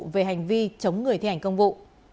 về hành vi chống người thi hành công vụ